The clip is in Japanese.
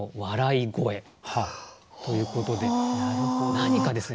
何かですね